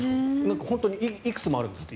本当にいくつもあるんですって